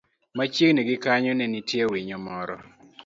Machiegni gi kanyo, ne nitie winyo moro